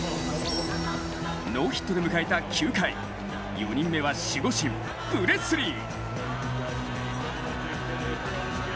ノーヒットで迎えた９回、４人目は守護神・プレスリー。